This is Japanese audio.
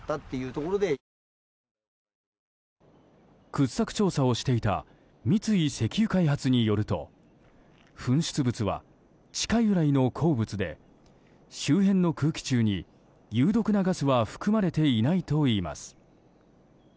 掘削調査をしていた三井石油開発によると噴出物は地下由来の鉱物で周辺の空気中に有毒なガスは含まれていないといいます。